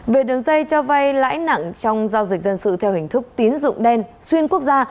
về đường dây cho vay lãi nặng trong giao dịch dân sự theo hình thức tín dụng đen xuyên quốc gia